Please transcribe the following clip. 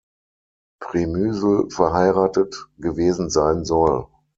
Přemysl verheiratet gewesen sein soll.